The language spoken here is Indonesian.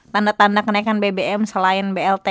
tanda tanda kenaikan bbm selain blt